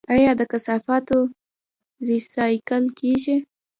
آیا د کثافاتو ریسایکل کیږي؟